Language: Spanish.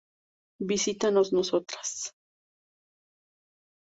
¿Visitamos nosotras?